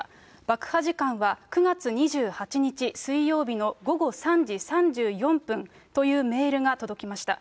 爆破時間は９月２８日水曜日の午後３時３４分というメールが届きました。